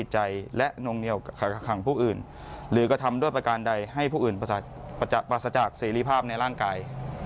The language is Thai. ผู้อื่นหรือกระทำด้วยประการใดให้ผู้อื่นปราศจากเสรีภาพในร่างกาย